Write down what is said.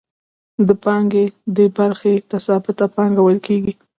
د پانګې دې برخې ته ثابته پانګه ویل کېږي